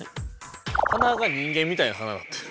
はなが人間みたいなはなになってる。